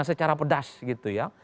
secara pedas gitu ya